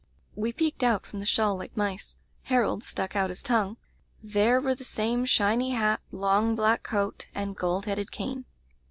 "We peeked out from the shawl like mice. Harold stuck out his tongue. There were the same shiny hat, long black coat, and gold headed cane.